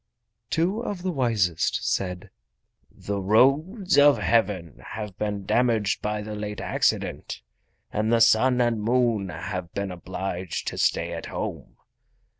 Two of the wisest said: "The roads of Heaven have been damaged by the late accident, and the Sun and Moon have been obliged to stay at home.